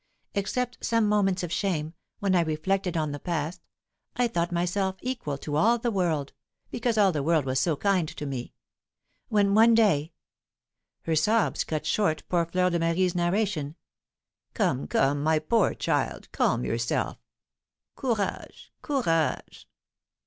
Except some moments of shame, when I reflected on the past, I thought myself equal to all the world, because all the world was so kind to me. When, one day " Here sobs cut short poor Fleur de Marie's narration. "Come, come, my poor child, calm yourself. Courage, courage!"